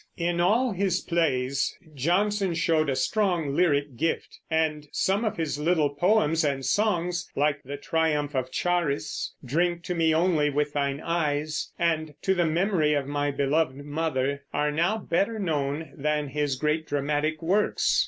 In all his plays Jonson showed a strong lyric gift, and some of his little poems and songs, like "The Triumph of Charis," "Drink to Me Only with Thine Eyes," and "To the Memory of my Beloved Mother," are now better known than his great dramatic works.